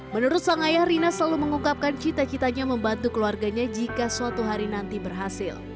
menurut sang ayah rina selalu mengungkapkan cita citanya membantu keluarganya jika suatu hari nanti berhasil